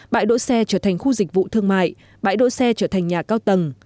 bãi đỗ xe trở thành khu dịch vụ thương mại bãi đỗ xe trở thành nhà cao tầng